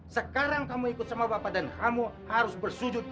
sekarang kamu ikut sama bapak dan kamu harus bersujud